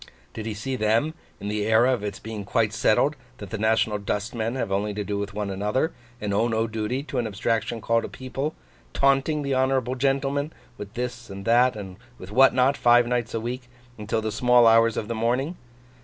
Did he see them, in the era of its being quite settled that the national dustmen have only to do with one another, and owe no duty to an abstraction called a People, 'taunting the honourable gentleman' with this and with that and with what not, five nights a week, until the small hours of the morning?